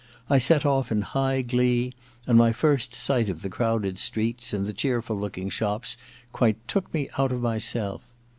I set off in high glee, and my first sight of the crowded streets and the cheerful looking shops quite took me out of myself.